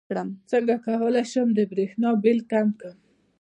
څنګه کولی شم د بریښنا بل کم کړم